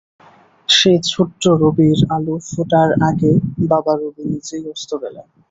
সেই ছোট্ট রবির আলো ফোটার আগে বাবা রবি নিজেই অস্ত গেলেন।